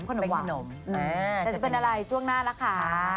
จะเป็นอะไรช่วงหน้าละค่ะ